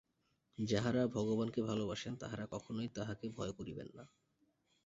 যাঁহারা ভগবানকে ভালবাসেন, তাঁহারা কখনই তাঁহাকে ভয় করিবেন না।